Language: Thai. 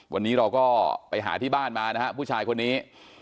วันนี้เราก็ไปหาที่บ้านมานะฮะผู้ชายคนนี้